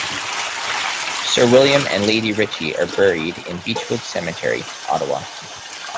Sir William and Lady Ritchie are buried in Beechwood Cemetery, Ottawa.